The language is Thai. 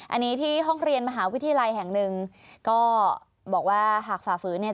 อันนี้ที่ห้องเรียนมหาวิทยาลัยแห่งหนึ่งก็บอกว่าหากฝ่าฝืนเนี่ย